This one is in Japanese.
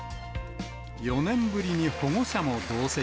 ４年ぶりに保護者も同席。